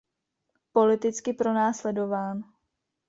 Politicky pronásledován.